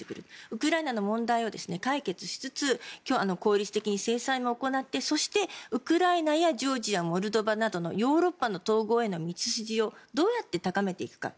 ウクライナの問題を解決しつつ効率的に制裁も行ってそして、ウクライナやジョージア、モルドバなどのヨーロッパの統合への道筋をどうやって高めていくか